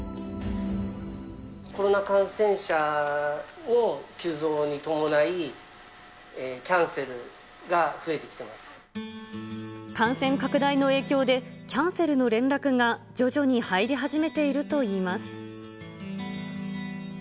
コロナ感染者の急増に伴い、感染拡大の影響で、キャンセルの連絡が徐々に入り始めているといいます。